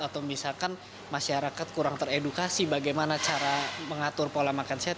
atau misalkan masyarakat kurang teredukasi bagaimana cara mengatur pola makan sehat